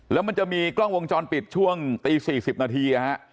แล้วมันจะมีกล้องวงจรปิดช่วงตี๔๐นาที